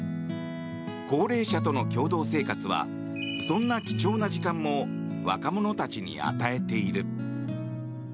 高齢者との共同生活はそんな貴重な時間も若者たちに与えている。